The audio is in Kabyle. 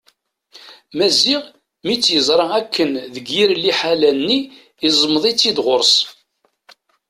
Maziɣ mi tt-yeẓra akken deg yir liḥala-nni iẓmeḍ-itt-id ɣur-s.